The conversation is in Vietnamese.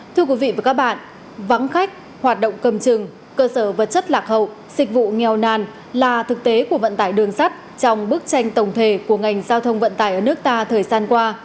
thưa quý vị và các bạn vắng khách hoạt động cầm chừng cơ sở vật chất lạc hậu dịch vụ nghèo nàn là thực tế của vận tải đường sắt trong bức tranh tổng thể của ngành giao thông vận tải ở nước ta thời gian qua